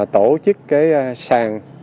tổ chức cái sàn